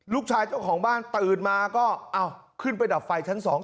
ลูกชายเจ้าของบ้านตื่นมาก็อ้าวขึ้นไปดับไฟชั้นสอง